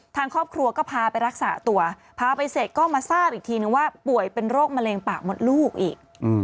ทางครอบครัวก็พาไปรักษาตัวพาไปเสร็จก็มาทราบอีกทีนึงว่าป่วยเป็นโรคมะเร็งปากมดลูกอีก